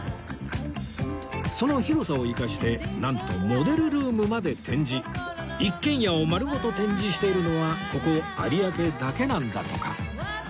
その広さを生かしてなんと一軒家を丸ごと展示しているのはここ有明だけなんだとか